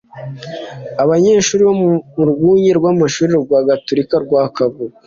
Abanyeshuri bo mu rwunge rw'amashuri rwa gaturika rwa Kagugu